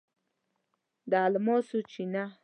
د الماسو چینه